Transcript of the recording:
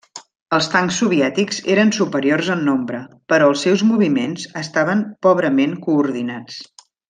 Els tancs soviètics eren superiors en nombre, però els seus moviments estaven pobrament coordinats.